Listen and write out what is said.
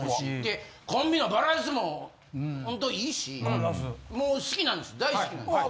コンビのバランスもほんといいしもう好きなんです大好きなんです。